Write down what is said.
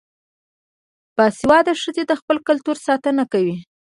باسواده ښځې د خپل کلتور ساتنه کوي.